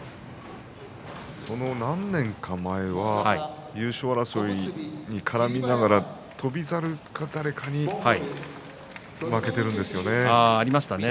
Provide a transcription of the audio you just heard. その何年か前は優勝争いに絡みながら翔猿か誰かに負けているんですよね。